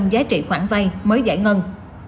giá trị khoản vay mới giải ngân